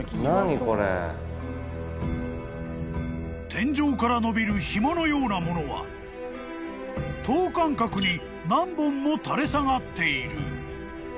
［天井からのびるひものようなものは等間隔に何本も垂れ下がっている］